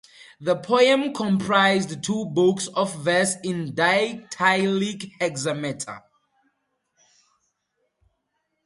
The poem comprised two books of verse in dactylic hexameter.